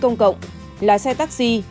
công cộng lái xe taxi